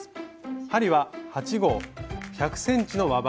針は８号１００ｃｍの輪針。